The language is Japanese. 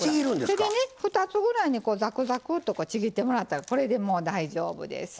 手でね２つぐらいにこうザクザクとちぎってもらったらこれでもう大丈夫です。